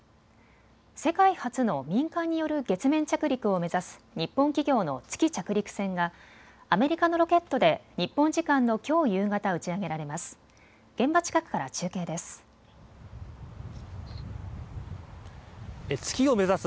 世界初の民間による月面着陸を目指す日本企業の月着陸船がアメリカのロケットで日本時間のきょう夕方、打ち上げられます。